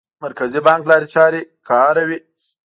مرکزي بانک لارې چارې کاروي.